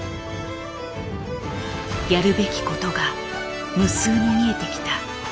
やるべきことが無数に見えてきた。